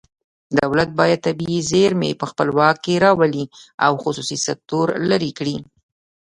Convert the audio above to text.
دولت باید طبیعي زیرمې په خپل واک کې راولي او خصوصي سکتور لرې کړي